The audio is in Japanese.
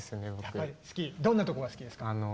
どんなとこが好きですか？